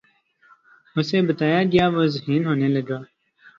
اُسے بتایا گیا وُہ ذہین ہونے لگا